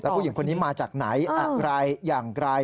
ผู้หญิงคนนี้มาจากไหนอะไรอย่างไร